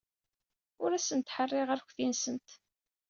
Ur asent-ḥerriɣ arekti-nsent.